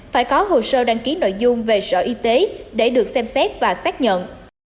phải có hồ sơ đăng ký nội dung về sở y tế để được xem xét và xác nhận